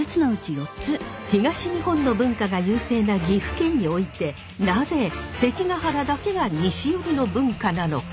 東日本の文化が優勢な岐阜県においてなぜ関ケ原だけが西寄りの文化なのか？